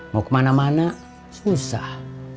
mau kemana mana susah